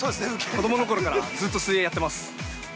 子供のころからずっと水泳やってます。